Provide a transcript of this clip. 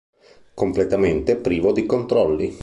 Completamente privo di controlli.